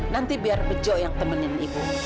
nanti biar bejo yang temenin ibu